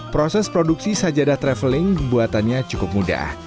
proses produksi sajadah traveling buatannya cukup mudah